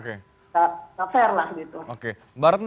itu sangat nggak fair lah gitu